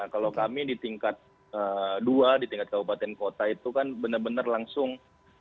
kalau kami di tingkat dua di tingkat kabupaten kota itu kan benar benar langsung